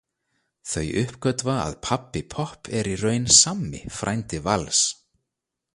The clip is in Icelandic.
Þau uppgötva að Pabbi Popp er í raun Sammi frændi Vals.